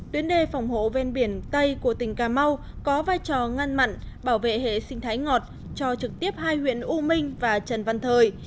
tuyến đề phòng hộ ven biển tây của tỉnh cà mau có vai trò ngăn mặn bảo vệ hệ sinh thái ngọt cho trực tiếp hai huyện u minh và trần văn thời